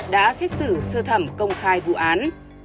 đã xét xử sơ thẩm công khai vụ án